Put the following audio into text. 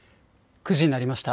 ９時になりました。